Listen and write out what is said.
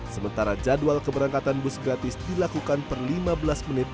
sementara jadwal keberangkatan bus gratis dilakukan per lima belas menit